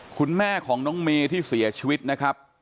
คุณแม่ของน้องเมย์ที่เสียชีวิตนะครับ